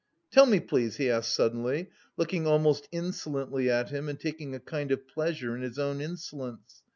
"Tell me, please," he asked suddenly, looking almost insolently at him and taking a kind of pleasure in his own insolence.